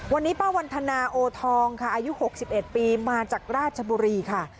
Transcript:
วันนี้ป้าวันธนาโอทองค่ะอายุ๖๑ปีมาจากราชบุรีค่ะ